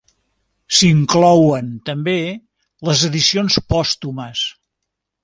S'inclouen també les edicions pòstumes.